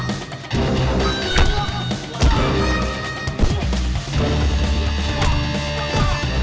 sekarang udah jelas gak